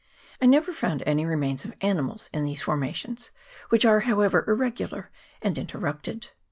I never found any remains of animals in these formations, which are however irregular and inter rupted.